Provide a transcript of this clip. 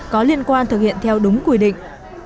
có liên quan thực hiện theo đúng quy định